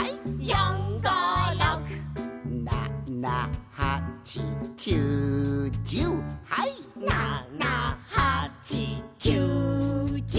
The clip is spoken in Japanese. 「４５６」「７８９１０はい」「７８９１０」